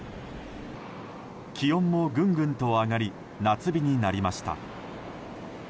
気温もぐんぐんと上がり夏日になりました。